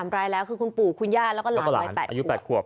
รายแล้วคือคุณปู่คุณย่าแล้วก็หลานวัย๘อายุ๘ขวบ